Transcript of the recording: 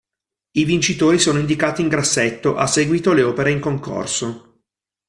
I vincitori sono indicati in grassetto, a seguito le opere in concorso.